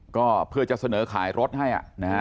ก็เพื่อจะเสนอขายรถให้นะฮะ